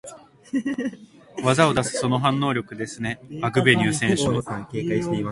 技を出す、その反応力ですね、アグベニュー選手の。